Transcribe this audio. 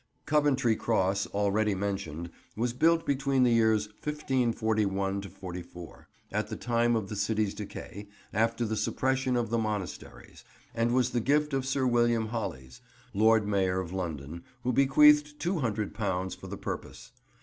Coventry Cross, already mentioned, was built between the years 1541–44, at the time of the city's decay, after the suppression of the monasteries, and was the gift of Sir William Holles, Lord Mayor of London, who bequeathed £200 for the purpose.